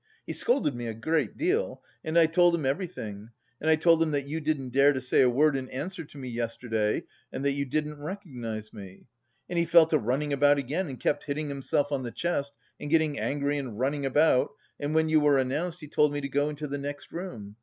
He scolded me a great deal; and I told him everything, and I told him that you didn't dare to say a word in answer to me yesterday and that you didn't recognise me. And he fell to running about again and kept hitting himself on the chest, and getting angry and running about, and when you were announced he told me to go into the next room.